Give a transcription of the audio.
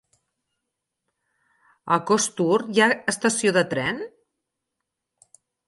A Costur hi ha estació de tren?